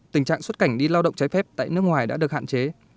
tình trạng xuất cảnh đi lao động trái phép tại nước ngoài đã được hạn chế